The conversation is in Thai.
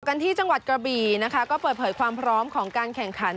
กันที่จังหวัดกระบีนะคะก็เปิดเผยความพร้อมของการแข่งขัน